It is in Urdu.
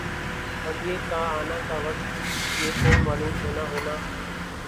اور یِہ کا آنا کا وقت بھی یِہ کو معلوم ہونا ہونا